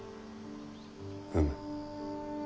うむ。